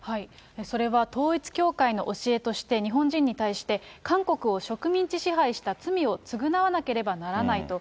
それは統一教会の教えとして、日本人に対して、韓国を植民地支配した罪を償わなければならないと。